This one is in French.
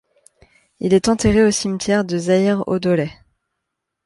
Il est enterré au cimetière de Zahir o-dowleh.